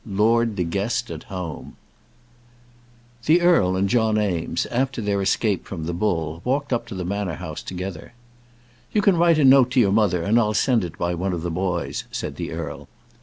LORD DE GUEST AT HOME. [ILLUSTRATION: (untitled)] The earl and John Eames, after their escape from the bull, walked up to the Manor House together. "You can write a note to your mother, and I'll send it by one of the boys," said the earl.